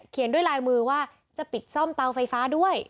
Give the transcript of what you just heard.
ด้วยลายมือว่าจะปิดซ่อมเตาไฟฟ้าด้วย